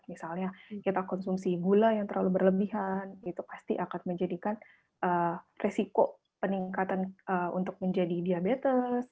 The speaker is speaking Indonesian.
misalnya kita konsumsi gula yang terlalu berlebihan itu pasti akan menjadikan resiko peningkatan untuk menjadi diabetes